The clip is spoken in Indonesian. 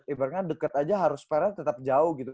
ibaratnya deket aja harus fair tetap jauh gitu